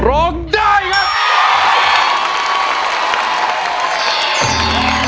ร้องได้ให้ร้อง